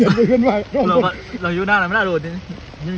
เราอยู่นั่นไม่น่าหลวงที่นี่